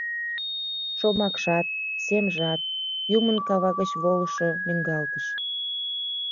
Шомакшат, семжат — Юмын кава гыч волышо лӱҥгалтыш.